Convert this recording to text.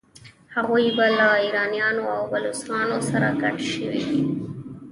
هغوی به له ایرانیانو او بلوڅانو سره ګډ شوي وي.